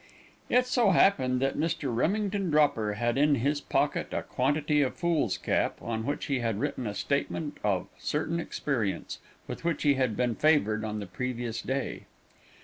It so happened that Mr. Remington Dropper had in his pocket a quantity of foolscap, on which he had written a statement of certain experience, with which he had been favored on the previous day.